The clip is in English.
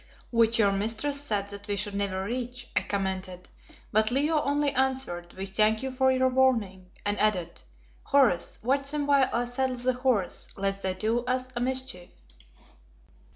"Which your mistress said that we should never reach," I commented, but Leo only answered "We thank you for your warning," and added, "Horace, watch them while I saddle the horse, lest they do us a mischief."